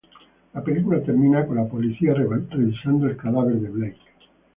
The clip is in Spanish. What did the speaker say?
La película termina con la policía revisando el cadáver de Blake.